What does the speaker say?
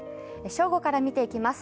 正午から見ていきます。